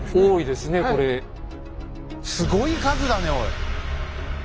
すごい数だねおい！